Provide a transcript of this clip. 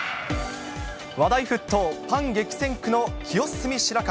話題沸騰、パン激戦区の清澄白河。